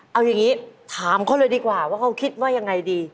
เอาอย่างนี้ถามเขาเลยดีกว่าว่าเขาคิดว่ายังไงดี